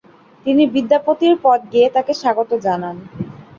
তিনি বিদ্যাপতির পদ গেয়ে তাকে স্বাগত জানান।